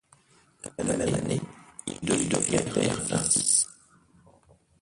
La même année, il devient père d'un fils.